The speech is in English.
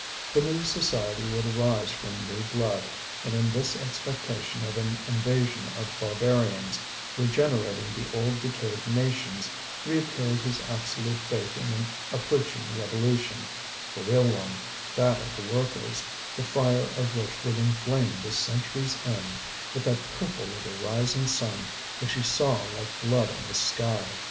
The new society would arise from new blood. And in this expectation of an invasion of barbarians, regenerating the old decayed nations, reappeared his absolute faith in an approaching revolution, the real one that of the workers the fire of which would inflame this century's end with that purple of the rising sun which he saw like blood on the sky.